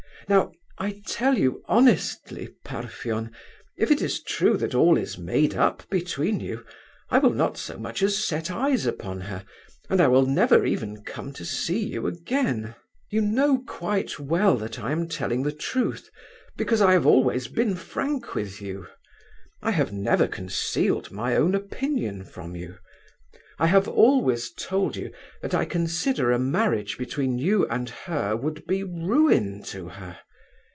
Now I tell you honestly, Parfen, if it is true that all is made up between you, I will not so much as set eyes upon her, and I will never even come to see you again. "You know quite well that I am telling the truth, because I have always been frank with you. I have never concealed my own opinion from you. I have always told you that I consider a marriage between you and her would be ruin to her.